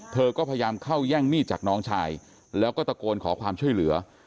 เธอก็พยายามเข้าแย่งมีดจากน้องชายแล้วก็ตะโกนขอความช่วยเหลือ